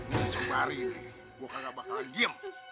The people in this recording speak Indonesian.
nanti sempat hari ini gua kagak bakalan diem